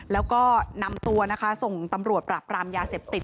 แล้วก็นำตัวนะคะส่งตำรวจปราบปรามยาเสพติด